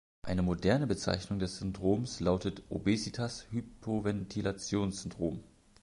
Eine modernere Bezeichnung des Syndroms lautet Obesitas-Hypoventilationssyndrom.